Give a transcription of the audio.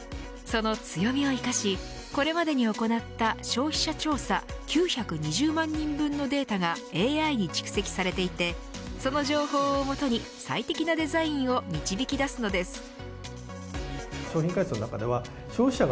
その強みを生かしこれまでに行った消費者調査９２０万人分のデータがＡＩに蓄積されていてその情報を基に最適なデザインを導き出すのです。